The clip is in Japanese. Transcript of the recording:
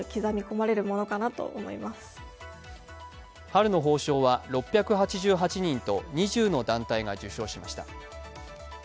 春の褒章は６８８人と２０の団体が受章しました。